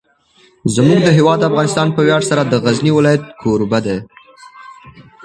زموږ هیواد افغانستان په ویاړ سره د غزني ولایت کوربه دی.